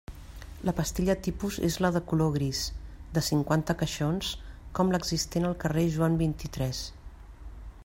La pastilla tipus és la de color gris, de cinquanta caixons, com l'existent al carrer Joan vint-i-tres.